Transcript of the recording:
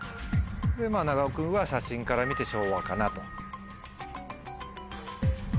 長尾君は写真から見て昭和かなと。